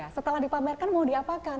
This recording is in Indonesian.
setelah dipamerkan mau diapakan